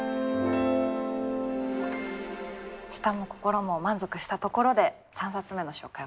舌も心も満足したところで３冊目の紹介